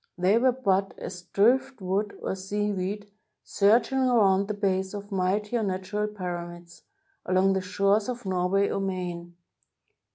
They were but as driftwood or seaweed, surging around the base of mightier natural pyramids, along the shores of Norway or Maine.